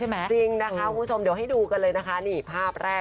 เอารองเท้าพ่อแม่มาใส่เล่นแบบนี้เลย